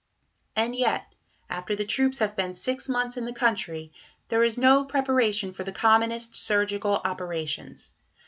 And yet, after the troops have been six months in the country, there is no preparation for the commonest surgical operations!